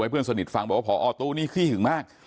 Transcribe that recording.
เพื่อนสนิทฟังบอกว่าพอตู้นี้ขี้หึงมาก